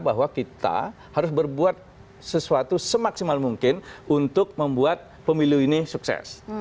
bahwa kita harus berbuat sesuatu semaksimal mungkin untuk membuat pemilu ini sukses